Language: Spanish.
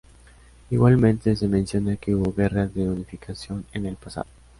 Igualmente se menciona que hubo guerras de unificación en el pasado.